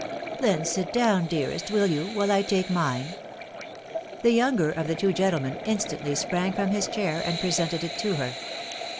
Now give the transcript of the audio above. "Then Bit down, dearest, will yew?'. ..• white 1 tahe> mine." The younger of the two gentlemen it* tairtiy sprang from his chair, and presented it to. her.